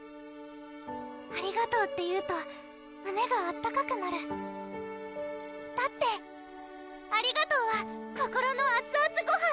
「ありがとう」って言うと胸が温かくなるだって「ありがとうは心のあつあつごはん」